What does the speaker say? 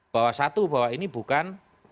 bahwa satu bahwa ini bukan